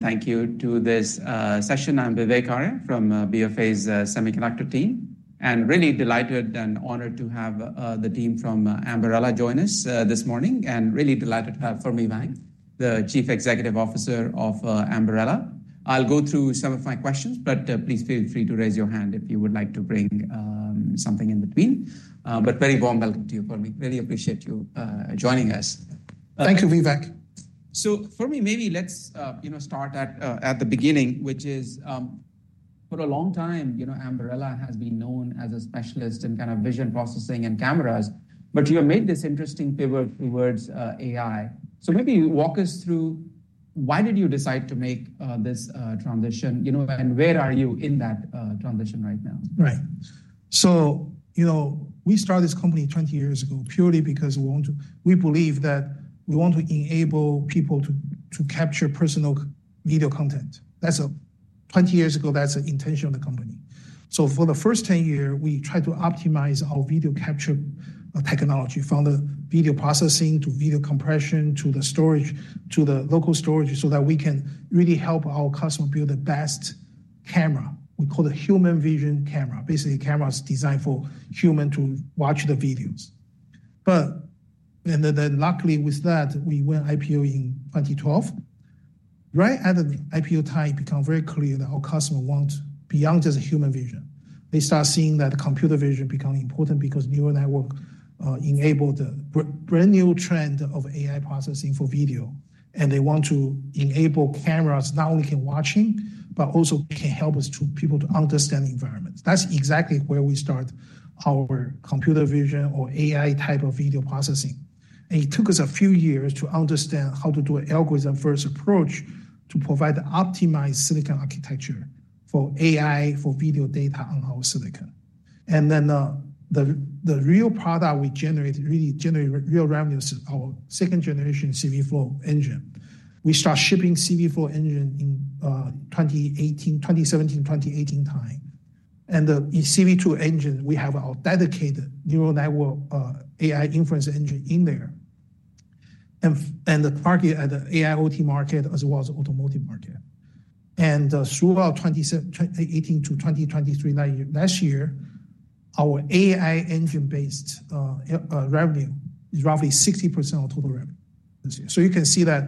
Thank you to this session. I'm Vivek Arya from B of A's semiconductor team, and really delighted and honored to have the team from Ambarella join us this morning. And really delighted to have Fermi Wang, the Chief Executive Officer of Ambarella. I'll go through some of my questions, but please feel free to raise your hand if you would like to bring something in between. But very warm welcome to you, Fermi. Really appreciate you joining us. Thank you, Vivek. So Fermi, maybe let's, you know, start at the beginning, which is, for a long time, you know, Ambarella has been known as a specialist in kind of vision processing and cameras, but you have made this interesting pivot towards AI. So maybe walk us through, why did you decide to make this transition, you know, and where are you in that transition right now? Right. So, you know, we started this company 20 years ago purely because we want to—we believe that we want to enable people to, to capture personal video content. That's—20 years ago, that's the intention of the company. So for the first 10 years, we tried to optimize our video capture technology, from the video processing, to video compression, to the storage, to the local storage, so that we can really help our customer build the best camera. We call it human vision camera. Basically, camera is designed for human to watch the videos. But, and then, then luckily with that, we went IPO in 2012. Right at the IPO time, it become very clear that our customer want beyond just a human vision. They start seeing that computer vision becoming important because neural network enable the brand new trend of AI processing for video, and they want to enable cameras not only can watching, but also can help us to people to understand the environment. That's exactly where we start our computer vision or AI type of video processing. It took us a few years to understand how to do an Algorithm-First approach to provide optimized silicon architecture for AI, for video data on our silicon. Then, the real product we generate, really generate real revenues is our second-generation CVflow engine. We start shipping CVflow engine in 2018, 2017, 2018 time. The CV2 engine, we have our dedicated neural network AI inference engine in there. And the market, the AIoT market as well as automotive market. And throughout 2017-2018 to 2023, last year, our AI engine-based revenue is roughly 60% of total revenue. So you can see that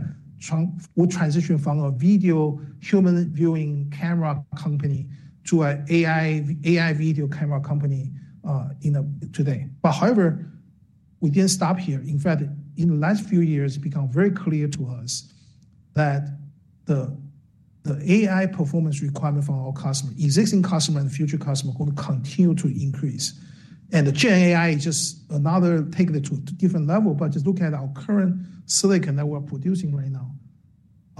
we transition from a video human viewing camera company to an AI video camera company today. But however, we didn't stop here. In fact, in the last few years, it become very clear to us that the AI performance requirement for our customer, existing customer, and the future customer, going to continue to increase. And the GenAI is just another take it to a different level, but just look at our current silicon that we're producing right now.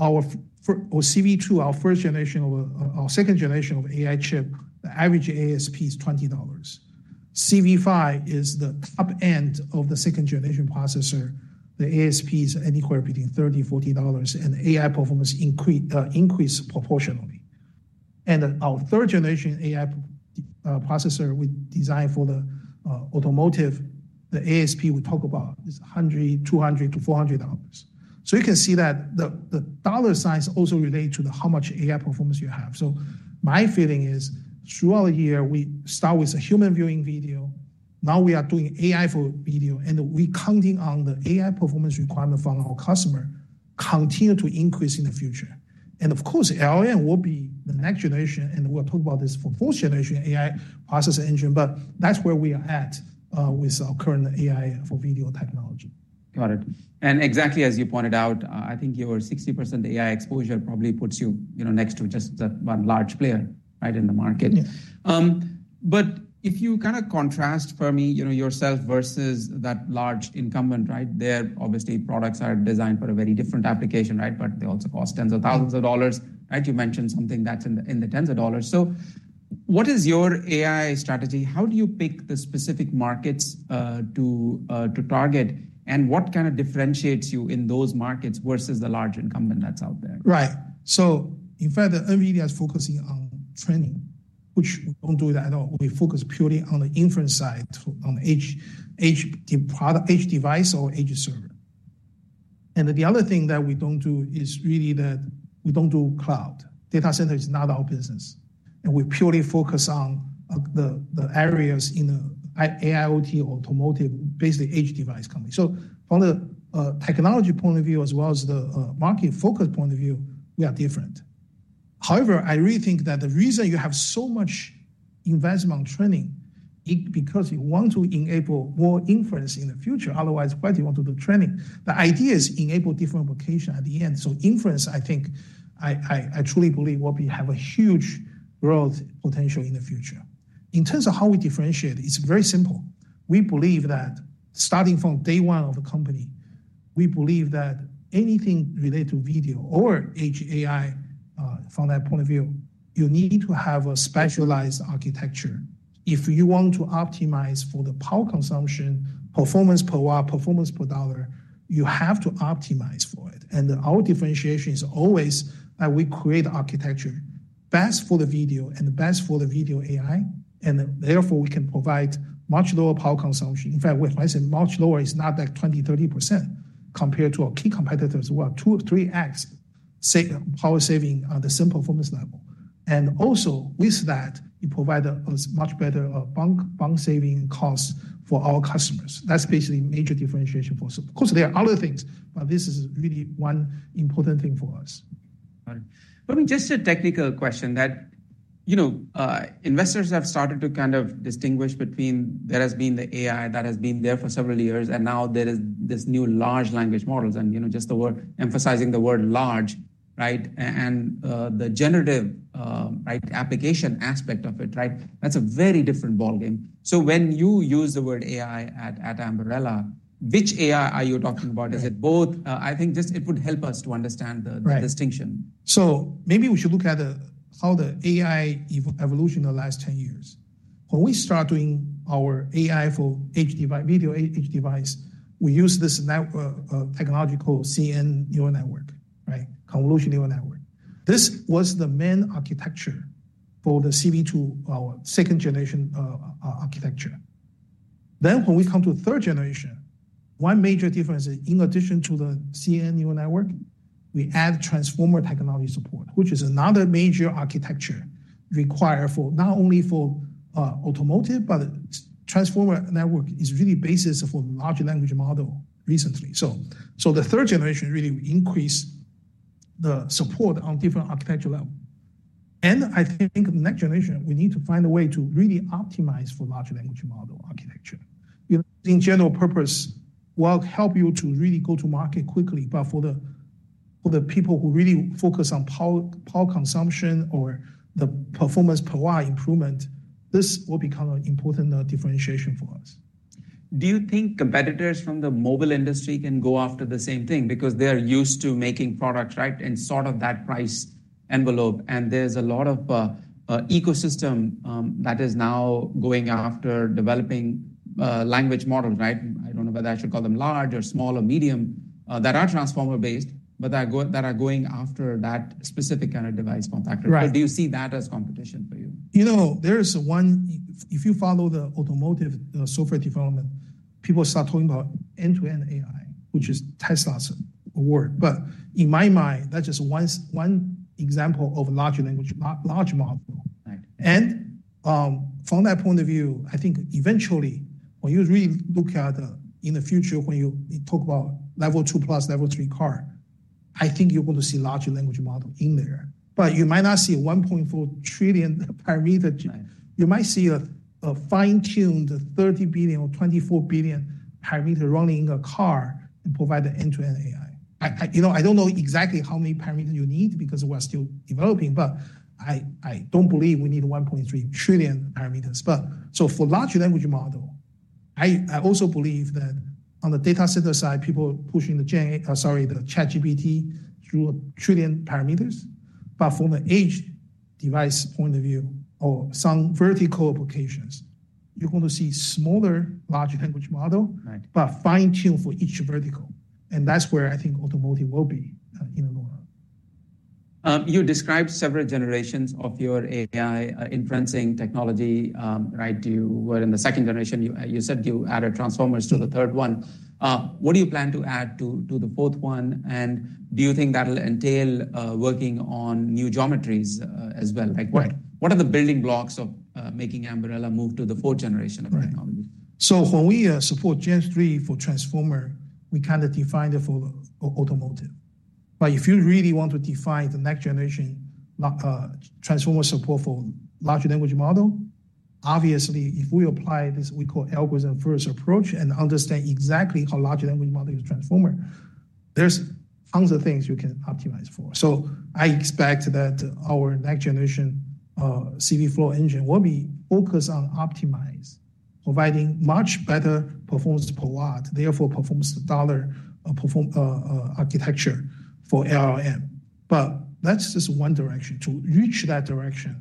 Our CV2, our first generation of our second generation of AI chip, the average ASP is $20. CV5 is the top end of the second-generation processor. The ASP is anywhere between $30-$40, and AI performance increase proportionally. Our third-generation AI processor we designed for the automotive, the ASP we talk about is $100-$400. So you can see that the dollar signs also relate to how much AI performance you have. So my feeling is, throughout the year, we start with a human viewing video. Now we are doing AI for video, and we counting on the AI performance requirement from our customer continue to increase in the future. Of course, LLM will be the next generation, and we'll talk about this for fourth generation AI processor engine, but that's where we are at with our current AI for video technology. Got it. Exactly as you pointed out, I think your 60% AI exposure probably puts you, you know, next to just the one large player, right, in the market. Yeah. But if you kinda contrast for me, you know, yourself versus that large incumbent, right? Their, obviously, products are designed for a very different application, right? But they also cost tens of thousands of dollars. Right, you mentioned something that's in the tens of dollars. So what is your AI strategy? How do you pick the specific markets to target? And what kind of differentiates you in those markets versus the large incumbent that's out there? Right. So in fact, everybody is focusing on training, which we don't do that at all. We focus purely on the inference side, on edge, edge product, edge device or edge server. And the other thing that we don't do is really that we don't do cloud. Data center is not our business, and we purely focus on the areas in AIoT, automotive, basically edge device company. So from a technology point of view as well as the market focus point of view, we are different. However, I really think that the reason you have so much investment on training is because you want to enable more inference in the future. Otherwise, why do you want to do training? The idea is enable different application at the end. So inference, I think, I truly believe will be have a huge growth potential in the future. In terms of how we differentiate, it's very simple. We believe that starting from day one of the company, we believe that anything related to video or edge AI, from that point of view, you need to have a specialized architecture. If you want to optimize for the power consumption, performance per watt, performance per dollar, you have to optimize for it. And our differentiation is always that we create architecture best for the video and the best for the video AI, and then therefore we can provide much lower power consumption. In fact, when I say much lower, it's not like 20%-30% compared to our key competitors, 2-3x power saving on the same performance level. And also, with that, we provide a much better bank saving cost for our customers. That's basically major differentiation for us. Of course, there are other things, but this is really one important thing for us. Right. Let me just a technical question that, you know, investors have started to kind of distinguish between there has been the AI that has been there for several years, and now there is this new large language models, and, you know, just the word, emphasizing the word large, right? And the generative, right, application aspect of it, right? That's a very different ballgame. So when you use the word AI at Ambarella, which AI are you talking about? Right. Is it both? I think just it would help us to understand the- Right... the distinction. So maybe we should look at the how the AI evolution in the last 10 years. When we start doing our AI for HD device, video HD device, we use this technological CNN neural network, right? Convolutional neural network. This was the main architecture for the CV2 our second generation architecture. Then when we come to the third generation, one major difference is, in addition to the CNN neural network, we add transformer technology support, which is another major architecture required for not only for automotive, but transformer network is really basis for large language model recently. So the third generation really increase the support on different architecture level. And I think next generation, we need to find a way to really optimize for large language model architecture. In general purpose, will help you to really go to market quickly, but for the people who really focus on power, power consumption or the performance per watt improvement, this will become an important differentiation for us. Do you think competitors from the mobile industry can go after the same thing? Because they are used to making products, right, in sort of that price envelope, and there's a lot of ecosystem that is now going after developing language models, right? I don't know whether I should call them large or small or medium that are transformer-based, but that are going after that specific kind of device manufacturer. Right. Do you see that as competition for you? You know, there is one—if you follow the automotive software development, people start talking about end-to-end AI, which is Tesla's word. But in my mind, that's just one example of large language, large model. Right. From that point of view, I think eventually, when you really look at, in the future, when you talk about Level 2+, Level 3 car, I think you're going to see large language model in there. But you might not see 1.4 trillion parameters. Right. You might see a fine-tuned 30 billion or 24 billion parameter running a car and provide an end-to-end AI. I, you know, I don't know exactly how many parameters you need because we're still developing, but I don't believe we need 1.3 trillion parameters. But, so for large language model, I also believe that on the data center side, people are pushing the ChatGPT through 1 trillion parameters. But from an edge device point of view or some vertical applications, you're going to see smaller, large language model- Right... but fine-tuned for each vertical. That's where I think automotive will be in the long run. You described several generations of your AI inferencing technology, right? You said you added transformers to the third one. What do you plan to add to the fourth one, and do you think that'll entail working on new geometries, as well? Right. Like, what, what are the building blocks of making Ambarella move to the fourth generation of technology? Right. So when we support Gen 3 for transformer, we kinda defined it for automotive. But if you really want to define the next generation, like, transformer support for larger language model, obviously, if we apply this, we call algorithm-first approach, and understand exactly how large language model is transformer, there's tons of things you can optimize for. So I expect that our next generation CVflow engine will be focused on optimize, providing much better performance per watt, therefore, performance dollar, architecture for LLM. But that's just one direction. To reach that direction,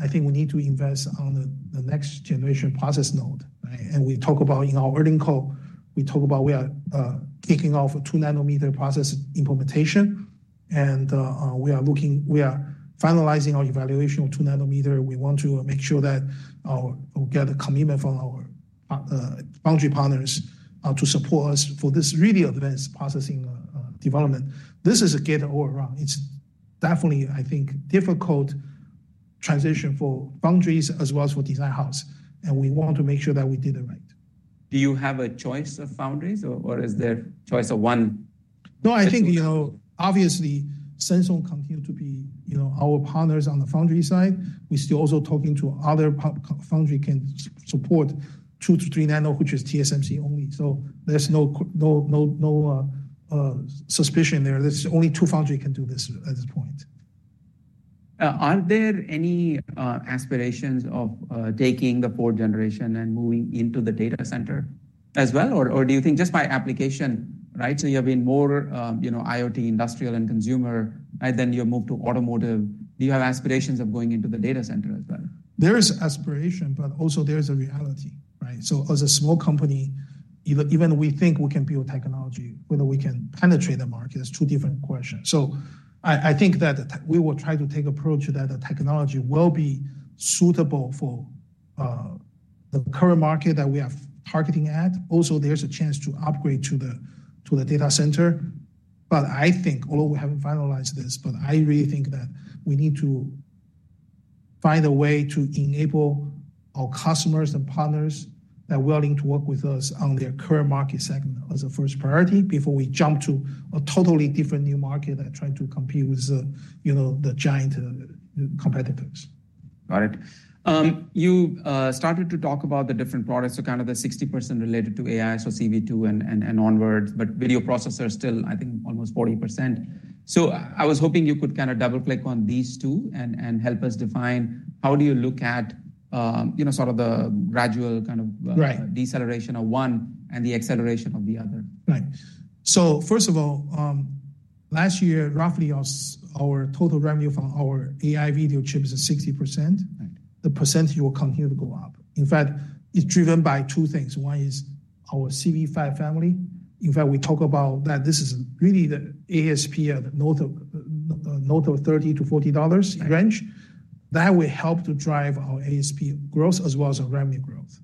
I think we need to invest on the next generation process node, right? And we talk about in our earnings call, we talk about we are kicking off a 2nm process implementation, and we are finalizing our evaluation of 2nm. We want to make sure that we get a commitment from our foundry partners to support us for this really advanced processing development. This is a Gate-All-Around. It's definitely, I think, difficult transition for foundries as well as for design house, and we want to make sure that we did it right. Do you have a choice of foundries, or is there choice of one? No, I think, you know, obviously, Samsung continue to be, you know, our partners on the foundry side. We're still also talking to other foundry can support 2-3 nano, which is TSMC only. So there's no, no, no, suspicion there. There's only two foundry can do this at this point. Are there any aspirations of taking the fourth generation and moving into the data center as well, or do you think just by application, right? So you have been more, you know, IoT, industrial, and consumer, and then you move to automotive. Do you have aspirations of going into the data center as well? There is aspiration, but also there is a reality, right? So as a small company, even we think we can build technology, whether we can penetrate the market, that's two different questions. So I think that we will try to take approach that the technology will be suitable for the current market that we are targeting at. Also, there's a chance to upgrade to the data center. But I think, although we haven't finalized this, but I really think that we need to find a way to enable our customers and partners that are willing to work with us on their current market segment as a first priority before we jump to a totally different new market and trying to compete with the, you know, the giant competitors. Got it. You started to talk about the different products, so kind of the 60% related to AI, so CV2 and onwards, but video processor is still, I think, almost 40%. So I was hoping you could kind of double-click on these two and help us define how do you look at, you know, sort of the gradual kind of- Right... deceleration of one and the acceleration of the other? Right. So first of all, last year, roughly, our total revenue from our AI video chips is 60%. Right. The percent will continue to go up. In fact, it's driven by two things. One is our CV5 family. In fact, we talk about that this is really the ASP at north of $30-$40 range. Right. That will help to drive our ASP growth as well as our revenue growth.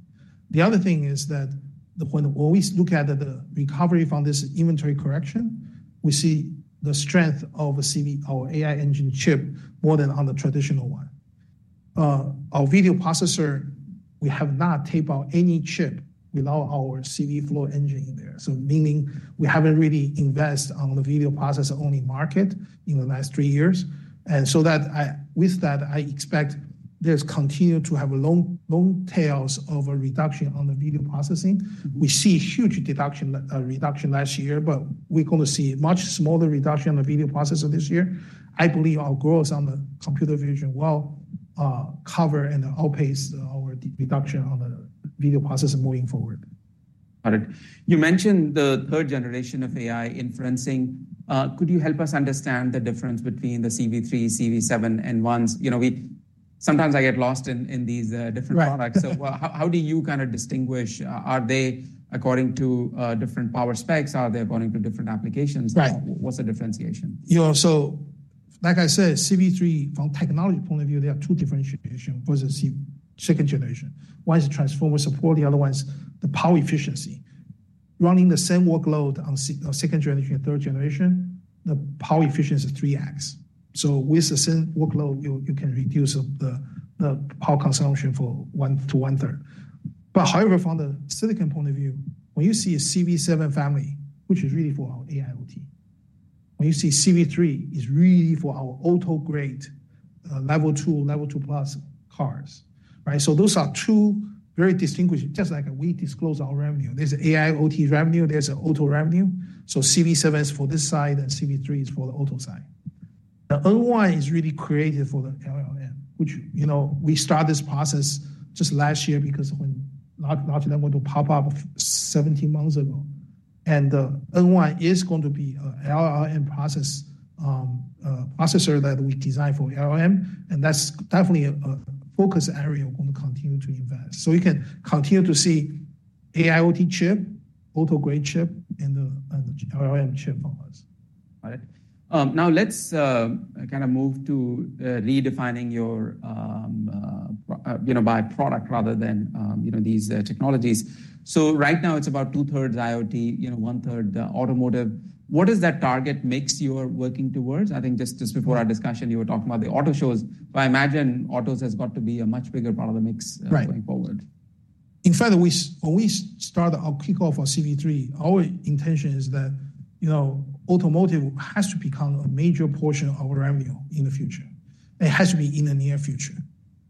The other thing is that the point, when we look at the recovery from this inventory correction, we see the strength of a CVflow, our AI engine chip, more than on the traditional one. Our video processor, we have not tape out any chip without our CVflow engine in there. So meaning we haven't really invest on the video processor-only market in the last three years. With that, I expect there's continued to have a long, long tails of a reduction on the video processing. We see huge deduction, reduction last year, but we're gonna see much smaller reduction on the video processor this year. I believe our growth on the computer vision will cover and outpace our reduction on the video processor moving forward. Got it. You mentioned the third generation of AI inferencing. Could you help us understand the difference between the CV3, CV7, and N1? You know, sometimes I get lost in these different products. Right. So how, how do you kinda distinguish? Are they according to different power specs? Are they according to different applications? Right. What's the differentiation? Yeah, so like I said, CV3, from technology point of view, there are two differentiation versus second generation. One is the transformer support, the other one is the power efficiency. Running the same workload on second generation and third generation, the power efficiency is 3x. So with the same workload, you, you can reduce the, the power consumption for one to one-third. But however, from the silicon point of view, when you see a CV7 family, which is really for our AIoT, when you see CV3, is really for our auto-grade, Level 2, Level 2+ cars. Right? So those are two very distinguished, just like we disclose our revenue. There's AIoT revenue, there's auto revenue. So CV7 is for this side, and CV3 is for the auto side. The N1 is really created for the LLM, which, you know, we start this process just last year because when large language model pop up 17 months ago. N1 is going to be a LLM processor that we designed for LLM, and that's definitely a focus area we're going to continue to invest. We can continue to see AIoT chip, auto-grade chip, and the LLM chip from us. All right. Now let's kinda move to redefining your you know by product rather than you know these technologies. So right now, it's about two-thirds IoT, you know, one-third automotive. What is that target mix you are working towards? I think just before our discussion, you were talking about the auto shows. So I imagine autos has got to be a much bigger part of the mix- Right... going forward. In fact, when we start our kickoff for CV3, our intention is that, you know, automotive has to become a major portion of our revenue in the future. It has to be in the near future.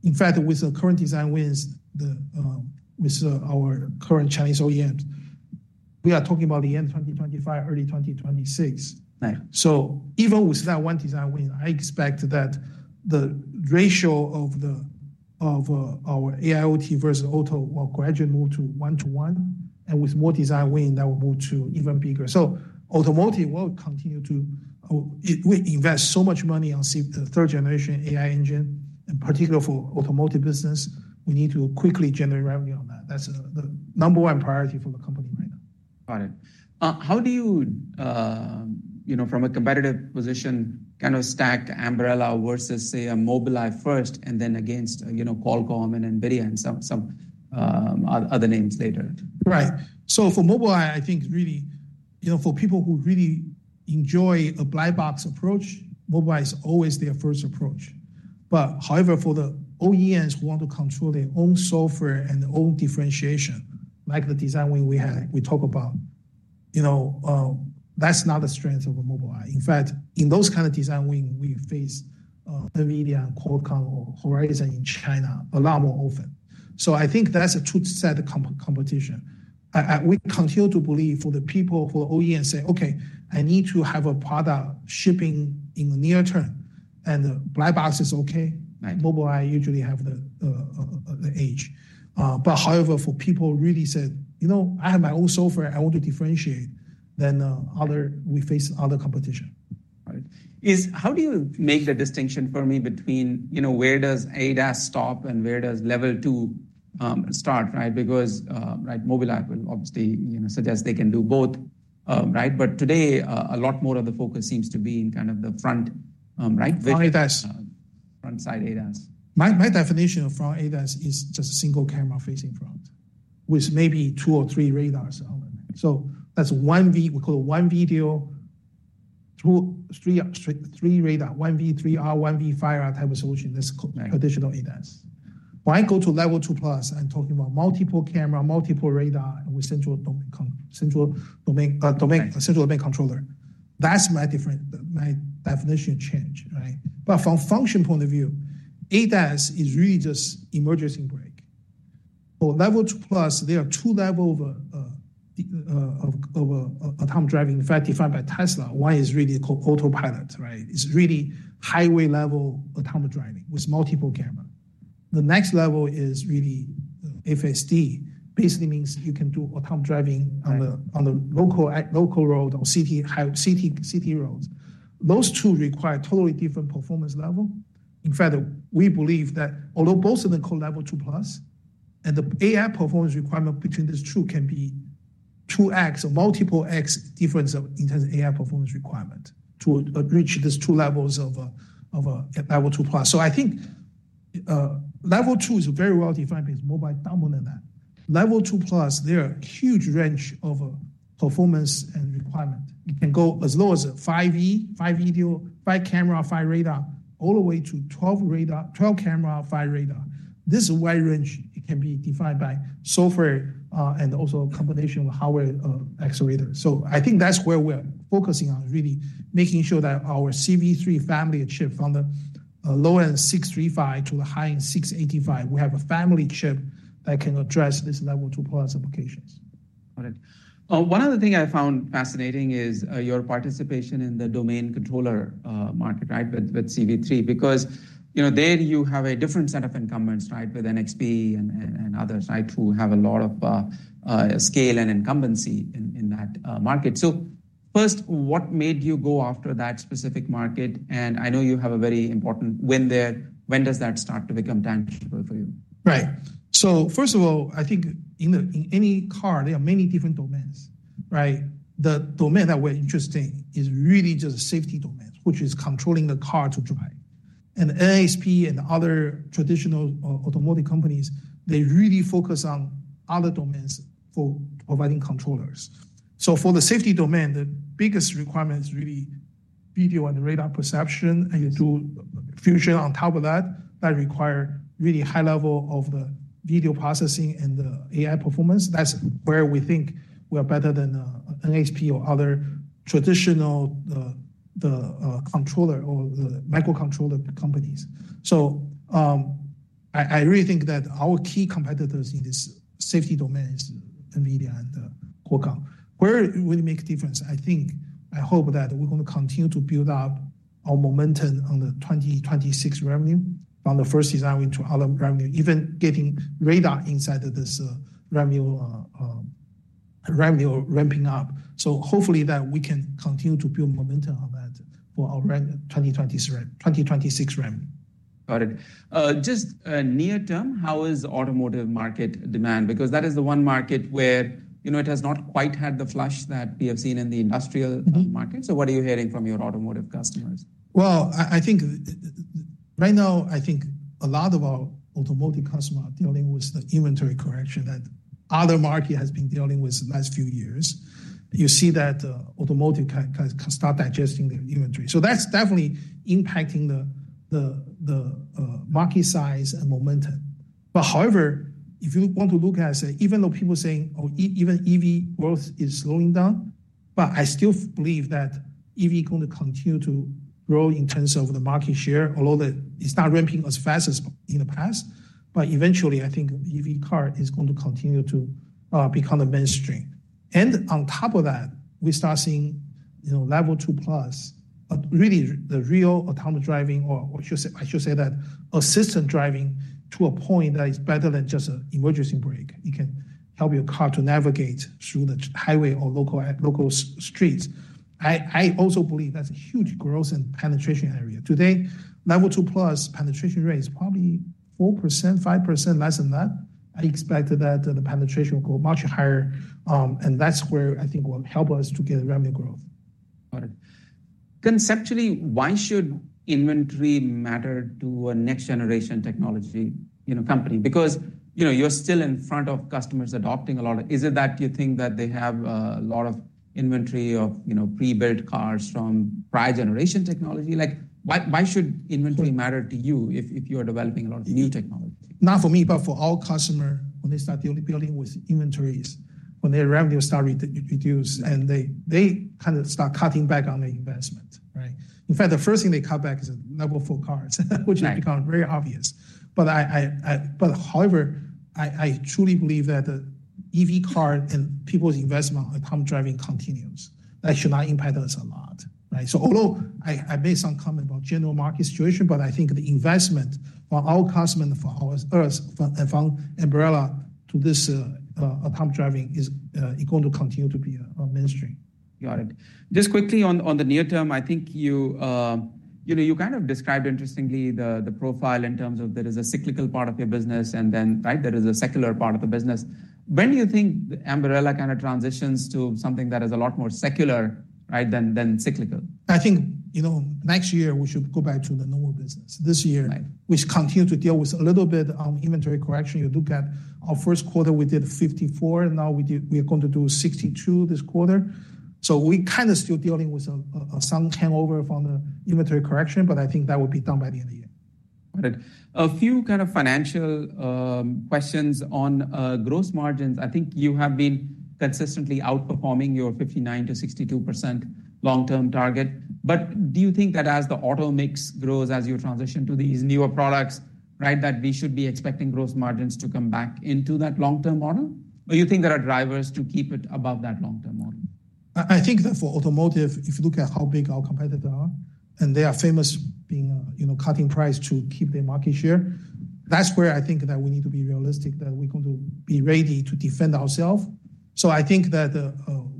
In fact, with the current design wins, the, with our current Chinese OEMs, we are talking about the end of 2025, early 2026. Right. So even with that one design win, I expect that the ratio of our AIoT versus auto will gradually move to 1-1, and with more design win, that will move to even bigger. So automotive will continue to... We invest so much money on the third generation AI engine, in particular for automotive business. We need to quickly generate revenue on that. That's the number one priority for the company right now. Got it. How do you, you know, from a competitive position, kind of stack Ambarella versus, say, a Mobileye first, and then against, you know, Qualcomm and NVIDIA and some other names later? Right. So for Mobileye, I think really, you know, for people who really enjoy a black box approach, Mobileye is always their first approach. But however, for the OEMs who want to control their own software and their own differentiation, like the design win we had- Right... we talk about, you know, that's not the strength of a Mobileye. In fact, in those kind of design win, we face NVIDIA and Qualcomm or Horizon in China a lot more often. So I think that's a two-sided competition. We continue to believe for the people who are OEM say, "Okay, I need to have a product shipping in the near term, and the black box is okay- Right. Mobileye usually have the edge. But however, for people who really said, "You know, I have my own software, I want to differentiate," then, we face other competition.... Right. So how do you make the distinction for me between, you know, where does ADAS stop and where does Level 2 start, right? Because, right, Mobileye will obviously, you know, suggest they can do both, right. But today, a lot more of the focus seems to be in kind of the front, right? Front ADAS. Front side ADAS. My, my definition of front ADAS is just a single camera facing front, with maybe 2 or 3 radars on it. So that's one V, we call it one video, 2, 3, three radar, 1V3R, 1V5R type of solution. That's called- Right traditional ADAS. When I go to Level 2+, I'm talking about multiple camera, multiple radar, with central domain controller. Right... central domain controller. That's my different, my definition change, right? But from function point of view, ADAS is really just emergency brake. For Level 2+, there are two levels of autonomous driving, in fact, defined by Tesla. One is really called Autopilot, right? It's really highway-level autonomous driving with multiple camera. The next level is really FSD. Basically means you can do autonomous driving- Right... on the local road or city roads. Those two require totally different performance level. In fact, we believe that although both of them call Level 2+, and the AI performance requirement between these two can be 2x or multiple x difference in terms of AI performance requirement to reach these two levels of a Level 2+. So I think Level 2 is very well-defined, but it's more by dominant that. Level 2+, there are a huge range of performance and requirement. It can go as low as a 5V, 5 video, 5 camera, 5 radar, all the way to 12 radar, 12 camera, 5 radar. This wide range, it can be defined by software and also a combination with hardware accelerator. I think that's where we're focusing on, really making sure that our CV3 family of chip, from the low-end 635 to the high-end 685, we have a family chip that can address this Level 2+ applications. Got it. One other thing I found fascinating is your participation in the domain controller market, right, with CV3. Because, you know, there you have a different set of incumbents, right, with NXP and others, right, who have a lot of scale and incumbency in that market. So first, what made you go after that specific market? And I know you have a very important win there. When does that start to become tangible for you? Right. So first of all, I think in any car, there are many different domains, right? The domain that we're interesting is really just safety domains, which is controlling the car to drive. And NXP and other traditional automotive companies, they really focus on other domains for providing controllers. So for the safety domain, the biggest requirement is really video and radar perception, and you do fusion on top of that. That require really high level of the video processing and the AI performance. That's where we think we are better than NXP or other traditional controller or the microcontroller companies. So I really think that our key competitors in this safety domain is NVIDIA and Qualcomm. Where will it make a difference? I think, I hope that we're gonna continue to build out our momentum on the 2026 revenue, from the first design into other revenue, even getting radar inside of this revenue ramping up. So hopefully that we can continue to build momentum on that for our 2023, 2026 revenue. Got it. Just, near term, how is automotive market demand? Because that is the one market where, you know, it has not quite had the flush that we have seen in the industrial- Mm-hmm... market. So what are you hearing from your automotive customers? Well, I think right now, I think a lot of our automotive customer are dealing with the inventory correction that other market has been dealing with the last few years. You see that, automotive can start digesting the inventory. So that's definitely impacting the market size and momentum. But however, if you want to look at, say, even though people are saying, "Oh, even EV growth is slowing down," but I still believe that EV is going to continue to grow in terms of the market share, although the, it's not ramping as fast as in the past. But eventually, I think EV car is going to continue to become the mainstream. On top of that, we start seeing, you know, Level 2+, really the real autonomous driving, or I should say, I should say that assistant driving, to a point that is better than just an emergency brake. It can help your car to navigate through the highway or local streets. I also believe that's a huge growth in penetration area. Today, Level 2+ penetration rate is probably 4%, 5%, less than that. I expect that the penetration will go much higher, and that's where I think will help us to get revenue growth. Got it. Conceptually, why should inventory matter to a next-generation technology, you know, company? Because, you know, you're still in front of customers adopting a lot. Is it that you think that they have a lot of inventory of, you know, pre-built cars from prior generation technology? Like, why, why should inventory matter to you if, if you are developing a lot of new technology? Not for me, but for our customer, when they start dealing, building with inventories, when their revenue starts to reduce, and they kind of start cutting back on the investment, right? In fact, the first thing they cut back is Level 4 cars, which- Right... become very obvious. But however, I truly believe that the EV car and people's investment on autonomous driving continues. That should not impact us a lot, right? So although I made some comment about general market situation, but I think the investment for our customers, and for us, for, and from Ambarella-... to this, auto driving is, it going to continue to be, a mainstream. Got it. Just quickly on the near term, I think you, you know, you kind of described interestingly the profile in terms of there is a cyclical part of your business, and then, right, there is a secular part of the business. When do you think Ambarella kind of transitions to something that is a lot more secular, right, than cyclical? I think, you know, next year we should go back to the normal business. This year- Right... we continue to deal with a little bit of inventory correction. You look at our first quarter, we did $54, and now we are going to do $62 this quarter. So we kind of still dealing with some hangover from the inventory correction, but I think that will be done by the end of the year. Got it. A few kind of financial questions on gross margins. I think you have been consistently outperforming your 59%-62% long-term target. But do you think that as the auto mix grows, as you transition to these newer products, right, that we should be expecting gross margins to come back into that long-term model? Or you think there are drivers to keep it above that long-term model? I think that for automotive, if you look at how big our competitor are, and they are famous being, you know, cutting price to keep their market share, that's where I think that we need to be realistic, that we're going to be ready to defend ourself. So I think that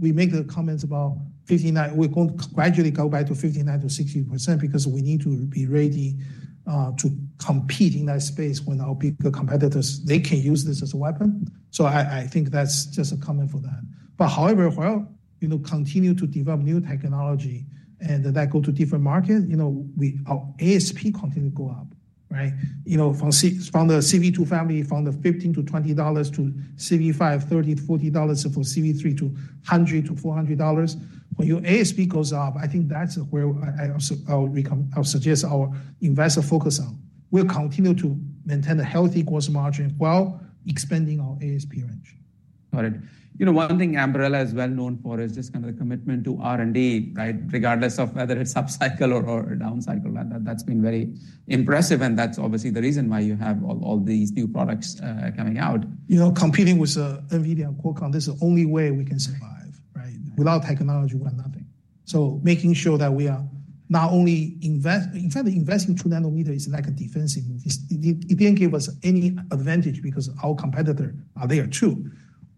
we make the comments about 59, we're going to gradually go back to 59%-60% because we need to be ready to compete in that space when our bigger competitors, they can use this as a weapon. So I think that's just a comment for that. But however, while, you know, continue to develop new technology and that go to different market, you know, we- our ASP continue to go up, right? You know, from the CV2 family, from the $15-$20 to CV5, $30-$40, for CV3, $100-$400. When your ASP goes up, I think that's where I also would suggest our investor focus on. We'll continue to maintain a healthy gross margin while expanding our ASP range. Got it. You know, one thing Ambarella is well known for is just kind of the commitment to R&D, right? Regardless of whether it's up cycle or down cycle. That's been very impressive, and that's obviously the reason why you have all these new products coming out. You know, competing with NVIDIA and Qualcomm, this is the only way we can survive, right? Without technology, we are nothing. So making sure that we are not only investing, in fact, investing in 2nm is like a defensive move. It, it didn't give us any advantage because our competitor are there, too.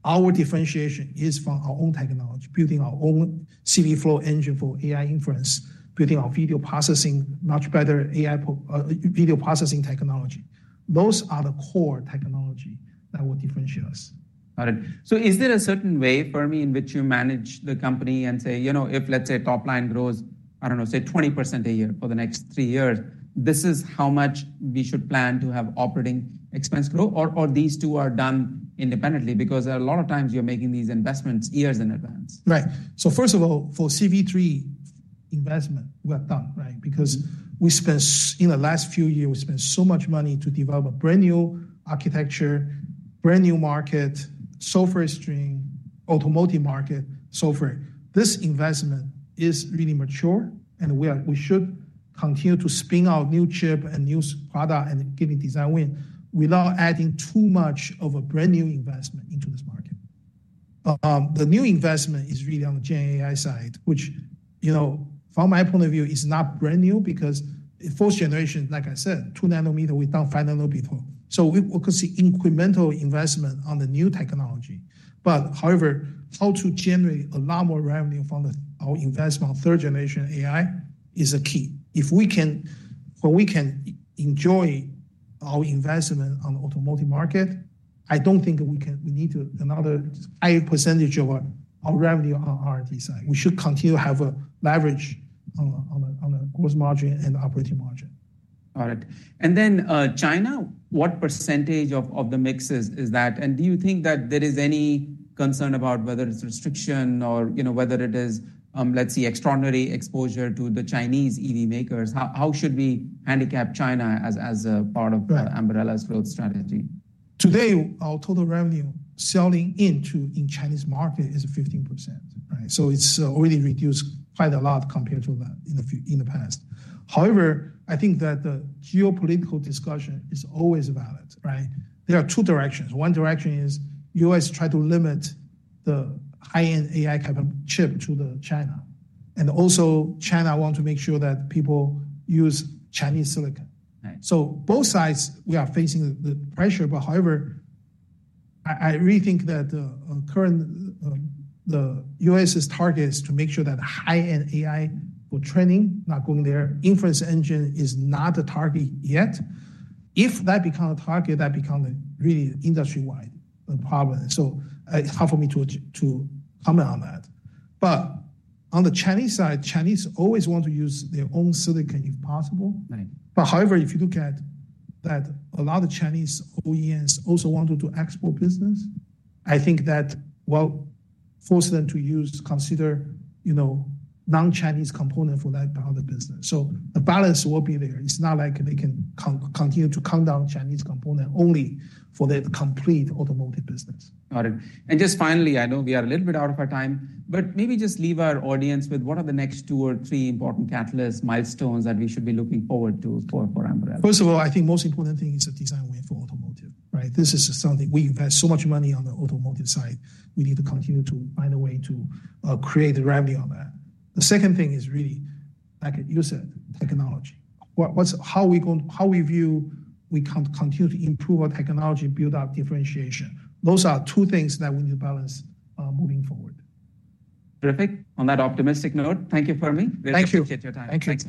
Our differentiation is from our own technology, building our own CVflow engine for AI inference, building our video processing, much better AI video processing technology. Those are the core technology that will differentiate us. Got it. So is there a certain way for me in which you manage the company and say, you know, if, let's say, top line grows, I don't know, say, 20% a year for the next three years, this is how much we should plan to have operating expense grow, or, or these two are done independently? Because a lot of times you're making these investments years in advance. Right. So first of all, for CV3 investment, we are done, right? Because we spent in the last few years, we spent so much money to develop a brand-new architecture, brand-new market, software stream, automotive market, software. This investment is really mature, and we should continue to spin out new chip and new product and giving design win, without adding too much of a brand-new investment into this market. The new investment is really on the Gen AI side, which, you know, from my point of view, is not brand new because the first generation, like I said, 2nm, we've done 5nm before. So we could see incremental investment on the new technology. But however, how to generate a lot more revenue from the our investment on third generation AI is a key. If we can—when we can enjoy our investment on the automotive market, I don't think we can. We need to another high percentage of our revenue on R&D side. We should continue to have a leverage on the gross margin and operating margin. Got it. And then, China, what percentage of the mix is that? And do you think that there is any concern about whether it's restriction or, you know, whether it is, let's say, extraordinary exposure to the Chinese EV makers? How should we handicap China as a part of- Right... Ambarella's growth strategy? Today, our total revenue selling into the Chinese market is 15%, right? So it's already reduced quite a lot compared to that in the past. However, I think that the geopolitical discussion is always valid, right? There are two directions. One direction is the U.S. try to limit the high-end AI capable chip to China. And also, China want to make sure that people use Chinese silicon. Right. So both sides, we are facing the pressure. But however, I really think that the current U.S.'s target is to make sure that high-end AI for training not going there. Inference engine is not a target yet. If that become a target, that become a really industry-wide problem. So, it's hard for me to comment on that. But on the Chinese side, Chinese always want to use their own silicon, if possible. Right. However, if you look at that, a lot of Chinese OEMs also want to do export business. I think that will force them to use, consider, you know, non-Chinese component for that part of the business. So the balance will be there. It's not like they can continue to count on Chinese component only for the complete automotive business. Got it. And just finally, I know we are a little bit out of our time, but maybe just leave our audience with: what are the next two or three important catalyst milestones that we should be looking forward to for, for Ambarella? First of all, I think most important thing is the design win for automotive, right? This is something we invest so much money on the automotive side. We need to continue to find a way to create a revenue on that. The second thing is really, like you said, technology. What's how we view we can continue to improve our technology, build our differentiation. Those are two things that we need to balance moving forward. Terrific. On that optimistic note, thank you for me. Thank you. We appreciate your time. Thank you.